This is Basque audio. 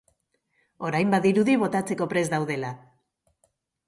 Orain badirudi botatzeko prest daudela.